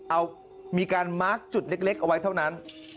เอามีการมาร์คจุดเล็กเอาไว้เท่านั้น